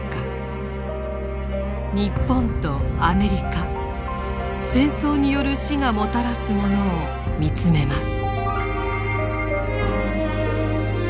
日本とアメリカ「戦争による死」がもたらすものを見つめます。